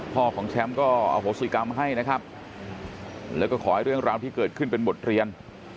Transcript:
ของแชมป์ก็อโหสิกรรมให้นะครับแล้วก็ขอให้เรื่องราวที่เกิดขึ้นเป็นบทเรียน